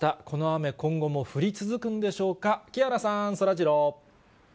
この雨、今後も降り続くんでしょうか、木原さん、そらジロー。